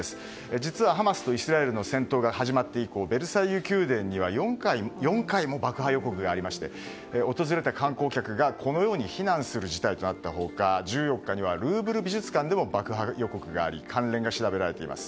実はハマスとイスラエルの戦闘が始まって以降ベルサイユ宮殿には４回も爆破予告があり訪れた観光客が避難する事態となった他１４日には、ルーブル美術館でも爆破予告があり関連が調べられています。